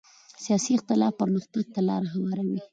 سیاسي اختلاف پرمختګ ته لاره هواروي